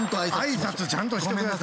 挨拶ちゃんとしてください。